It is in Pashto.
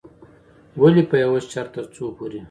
ولې په يوه شرط، ترڅو پورې